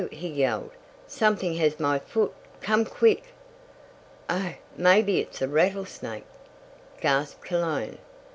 he yelled. "Something has my foot! Come quick!" "Oh, maybe it is a rattlesnake!" gasped Cologne.